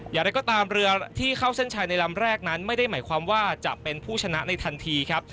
อย่างไรก็ตามเรือที่เข้าเส้นชัยในลำแรกนั้นไม่ได้หมายความว่าจะเป็นผู้ชนะในทันทีครับ